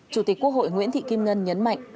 chủ tịch quốc hội nguyễn thị kim ngân nhấn mạnh